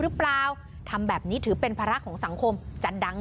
หรือเปล่าทำแบบนี้ถือเป็นภาระของสังคมจะดัง